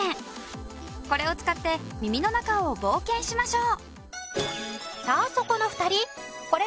これを使って耳の中を冒険しましょう。